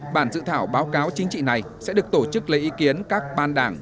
bản dự thảo báo cáo chính trị này sẽ được tổ chức lấy ý kiến các ban đảng